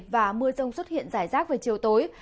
và mưa rồng xuất hiện giải rác về chiều tối